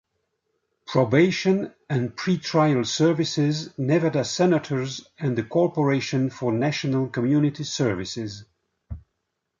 Probation and Pretrial Services, Nevada Senators, and the Corporation for National Community Services.